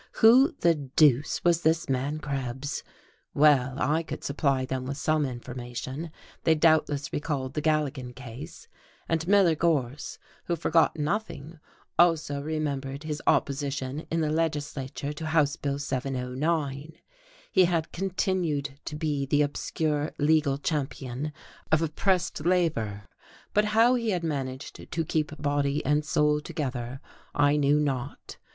Who the deuce was this man Krebs? Well, I could supply them with some information: they doubtless recalled the Galligan, case; and Miller Gorse, who forgot nothing, also remembered his opposition in the legislature to House Bill 709. He had continued to be the obscure legal champion of "oppressed" labour, but how he had managed to keep body and soul together I knew not.